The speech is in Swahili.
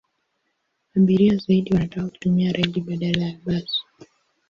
Abiria zaidi wanataka kutumia reli badala ya basi.